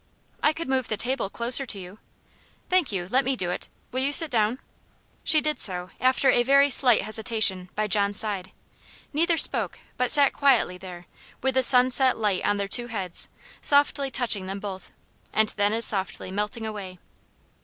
"I could move the table closer to you." "Thank you let me do it will you sit down?" She did so, after a very slight hesitation, by John's side. Neither spoke but sat quietly there, with the sunset light on their two heads, softly touching them both, and then as softly melting away.